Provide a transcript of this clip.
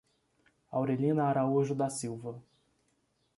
Aurelina Araújo da Silva